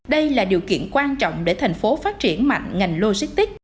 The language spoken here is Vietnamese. đây là điều kiện quan trọng để thành phố phát triển mạnh ngành logistics